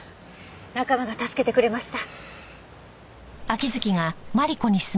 仲間が助けてくれました。